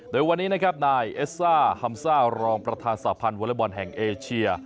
โดยวันนี้นะครับนายเอสซ่าฮัมซ่ารองประธานสาพันธ์วอเล็กบอลแห่งเอเชีย